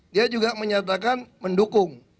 dia juga menyatakan mendukung